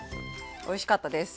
おいしかったです。